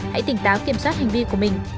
hãy tỉnh táo kiểm soát hành vi của mình